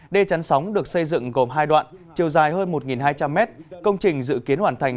đê chắn sóng được xây dựng gồm hai đoạn chiều dài hơn một hai trăm linh m công trình dự kiến hoàn thành